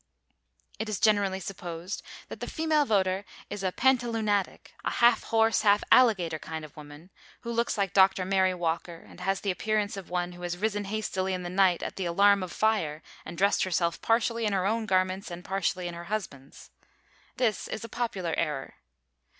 It is generally supposed that the female voter is a pantaloonatic, a half horse, half alligator kind of woman, who looks like Dr. Mary Walker and has the appearance of one who has risen hastily in the night at the alarm of fire and dressed herself partially in her own garments and partially in her husband's. This is a popular error.